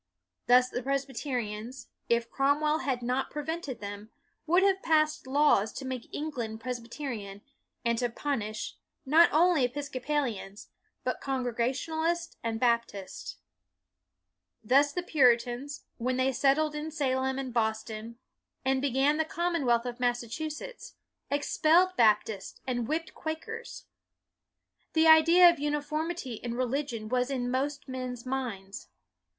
Thus the Presbyterians, if Cromwell had not prevented them, would have passed laws to make England Pres byterian, and to punish, not only Episco palians, but Congregationalists and Bap tists. Thus the Puritans, when they set tled in Salem and Boston and began the 2 66 BUNYAN Commonwealth of Massachusetts, ex pelled Baptists and whipped Quakers. The idea of uniformity in religion was in most men's minds.